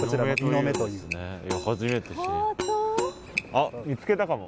あっ見つけたかも？